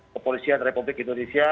kepolisian republik indonesia